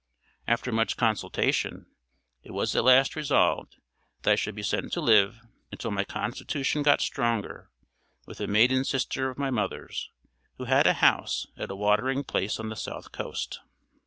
After much consultation, it was at last resolved that I should be sent to live, until my constitution got stronger, with a maiden sister of my mother's, who had a house at a watering place on the south coast.